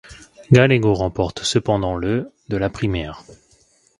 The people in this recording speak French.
Gallego remporte cependant le de la primaire.